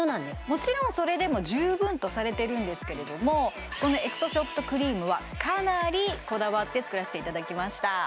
もちろんそれでも十分とされているんですけれどもこのエクソショットクリームはかなりこだわって作らせていただきました